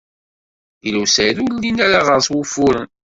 Lila u Saɛid ur llin ara ɣer-s wufuren.